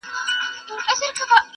شب ګیرو راته سرې کړي ستا له لاسه.